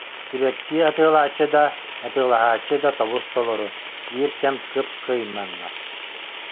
Сибэкки атыылааччы да, атыылаһааччы да тобус-толору, биир кэм кып-кыймаҥнас